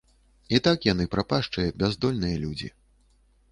І так яны прапашчыя, бяздольныя людзі.